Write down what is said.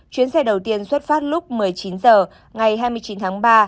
chuyến xe đầu tiên xuất phát lúc một mươi chín h ngày hai mươi chín tháng ba